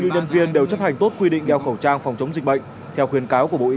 như nhân viên đều chấp hành tốt quy định đeo khẩu trang phòng chống dịch bệnh theo khuyến cáo của bộ y